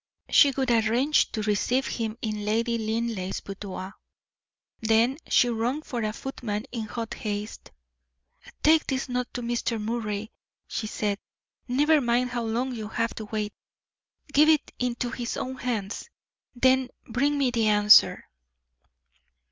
She would arrange to receive him in Lady Linleigh's boudoir. Then she rung for a footman in hot haste. "Take this note to Mr. Moray," she said. "Never mind how long you have to wait. Give it into his own hands, then bring me the answer."